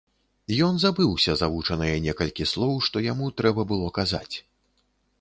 Ён забыўся завучаныя некалькі слоў, што яму трэба было казаць.